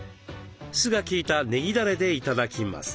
酢が効いたねぎだれで頂きます。